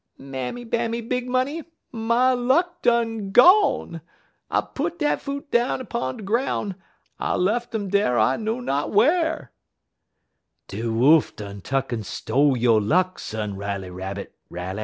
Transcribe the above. "'Mammy Bammy Big Money, my luck done gone. I put dat foot down 'pon de groun'. I lef um dar I know not whar.' "'De Wolf done tuck en stole yo' luck, Son Riley Rabbit, Riley.